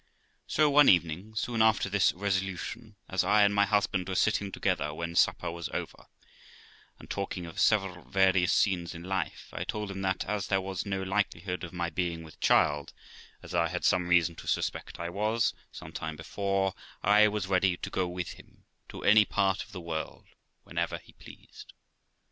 So one evening, soon after this resolution, as I and my husband were sitting together when supper was over, and talking of several various scenes in life, I told him that, as there was no likelihood of my being with child, as I had some reason to suspect I was some time before, I was ready to go with him to any part of the world, whenever he pleased.